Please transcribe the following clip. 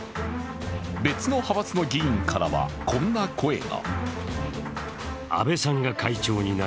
別の派閥の議員からはこんな声が。